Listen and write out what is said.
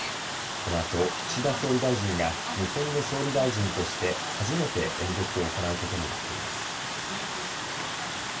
このあと岸田総理大臣が日本の総理大臣として初めて演説を行うことになっています。